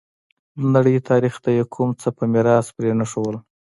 د نړۍ تاریخ ته یې کوم څه په میراث پرې نه ښودل.